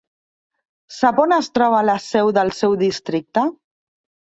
Sap on es troba la seu del seu districte?